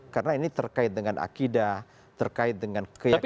karena ini terkait dengan akidah terkait dengan keyakinan azazi